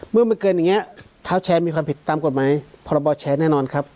เมื่อมันเกินอย่างนี้เท้าแชร์มีความผิดตามกฎหมายพรบแชร์แน่นอนครับ